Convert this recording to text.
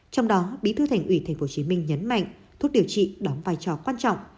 trong đó bí thư thành ủy tp hcm nhấn mạnh thuốc điều trị đóng vai trò quan trọng